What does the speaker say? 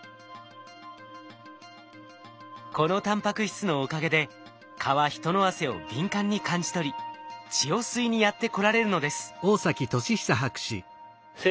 このタンパク質のおかげで蚊は人の汗を敏感に感じ取り血を吸いにやって来られるのです。